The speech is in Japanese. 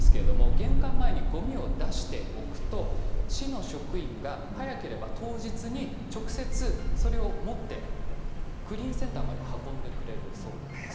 玄関前にごみを出しておくと市の職員が早ければ当日に直接それを持ってクリーンセンターまで運んでくれるそうなんです。